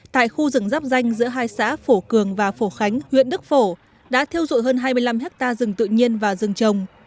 tại khu rừng rắp danh giữa hai xã phổ cường và phổ khánh huyện đức phổ đã thiêu dụi hơn hai mươi năm hectare rừng tự nhiên và rừng trồng